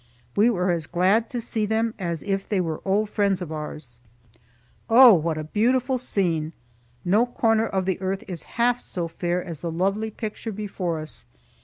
We were as glad to see them as if they were old friends of ours. Oh, what a beautiful scene! No corner of the earth is half so fair as the lovely picture before us.